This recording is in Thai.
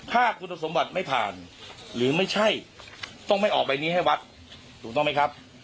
ถ้าคุณสมบัติไม่ผ่านหรือไม่ใช่ต้องไม่ออกใบนี้ให้วัดถูกต้องไหมครับ